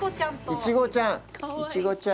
いちごちゃん。